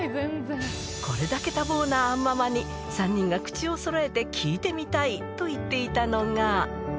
これだけ多忙な杏ママに、３人が口をそろえて、聞いてみたいと言っていたのが。